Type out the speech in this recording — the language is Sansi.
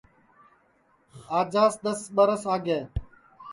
آجاس دؔس ٻرس آگے